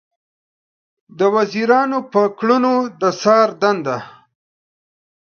د وزیرانو پر کړنو د څار دنده